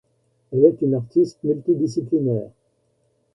Elle est une artiste multidisciplinaire.